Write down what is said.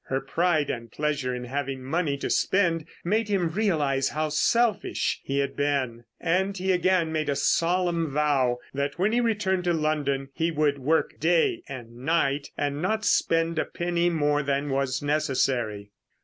Her pride and pleasure in having money to spend made him realise how selfish he had been, and he again made a solemn vow that when he returned to London he would work day and night and not spend a penny more than was necessary.